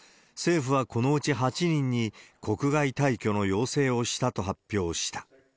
政府はこのうち８人に、国外退去の要請をしたと発表した。